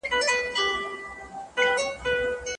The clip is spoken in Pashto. پخواني لغتونه راژوندي کړئ.